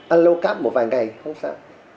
allocarp một vài ngày không sao